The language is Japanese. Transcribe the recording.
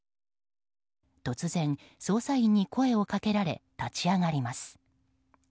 突然、捜査員に声をかけられ立ち上がります。